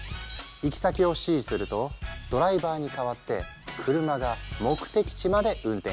行き先を指示するとドライバーに代わって車が目的地まで運転してくれる。